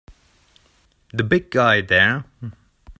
The big guy there!